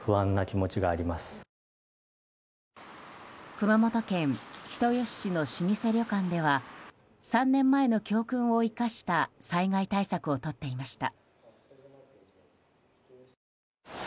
熊本県人吉市の老舗旅館では３年前の教訓を生かした災害対策をとっていました。